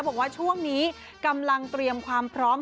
บอกว่าช่วงนี้กำลังเตรียมความพร้อม